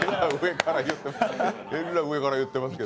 上から言ってますけど。